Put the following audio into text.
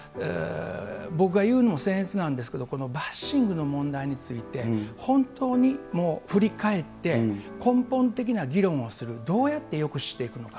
僕が言うのもせん越なんですけど、このバッシングの問題について、本当にもう振り返って、根本的な議論をする、どうやって抑止していくのか。